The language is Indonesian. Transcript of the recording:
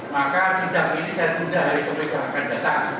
maka sidang ini saya tunda hari pemeriksaan akan datang